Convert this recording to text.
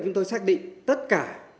chúng tôi xác định tất cả